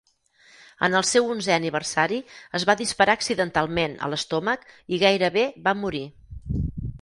En el seu onzè aniversari, es va disparar accidentalment a l'estómac i gairebé va morir.